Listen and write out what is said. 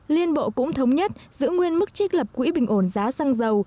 liên bộ cũng thống nhất giữ nguyên mức trích lập quỹ bình ổn giá xăng dầu